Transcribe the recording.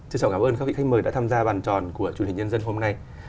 xin cảm ơn các vị khách mời đã tham gia bàn tròn của truyền hình nhân dân hôm nay